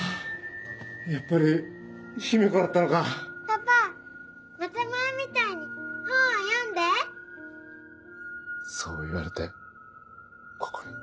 やっぱり姫子だったのかパパまた前みたいに本を読んでそう言われてここに。